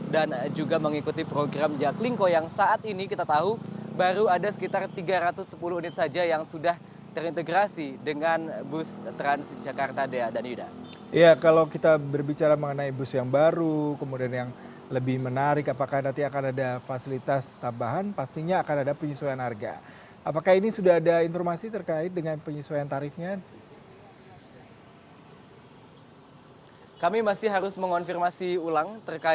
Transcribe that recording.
dan juga mengikuti program jaklingko yang saat ini kita telah menunjukkan